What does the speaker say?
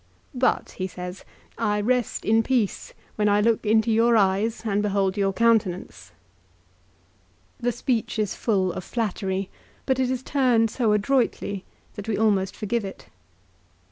" But," he says, " I rest in peace when I look into your eyes and behold your countenance." The speech is full of flattery, but it is turned so adroitly that we almost forgive it.